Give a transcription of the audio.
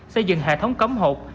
xây dựng hệ thống cấm hột